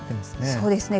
そうですね。